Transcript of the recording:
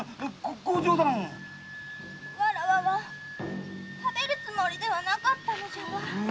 わらわは食べるつもりではなかったのじゃが。